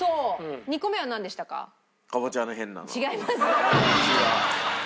違います。